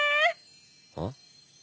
あっ？